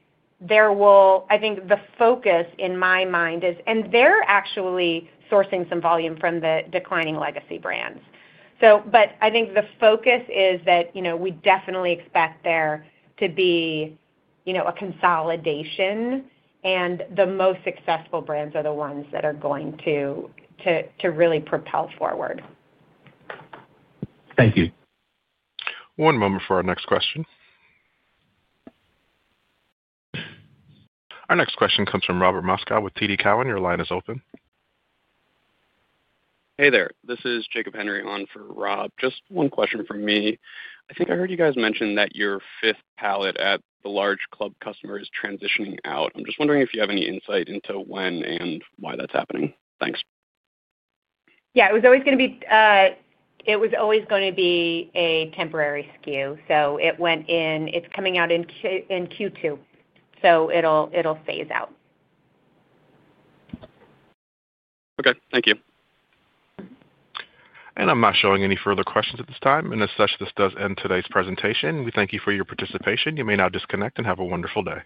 there will—I think the focus in my mind is—and they're actually sourcing some volume from the declining legacy brands. I think the focus is that we definitely expect there to be a consolidation, and the most successful brands are the ones that are going to really propel forward. Thank you. One moment for our next question. Our next question comes from Robert Moscow with TD Cowen. Your line is open. Hey there. This is Jacob Henry on for Rob. Just one question from me. I think I heard you guys mention that your fifth pallet at the large club customer is transitioning out. I'm just wondering if you have any insight into when and why that's happening. Thanks. Yeah. It was always going to be a temporary SKU. So it went in—it's coming out in Q2. So it'll phase out. Okay. Thank you. I'm not showing any further questions at this time. As such, this does end today's presentation. We thank you for your participation. You may now disconnect and have a wonderful day.